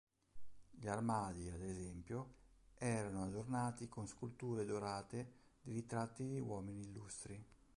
Gli armadi, ad esempio, erano adornati con sculture dorate di ritratti di uomini illustri.